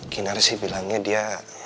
kinar sih bilangnya dia